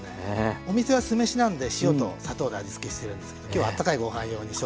お店は酢飯なんで塩と砂糖で味つけしてるんですけど今日は温かいご飯用にしょうゆ味にしてみました。